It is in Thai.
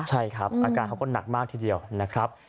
ใช่ครับอาการเขาก็หนักมากทีเดียวนะครับ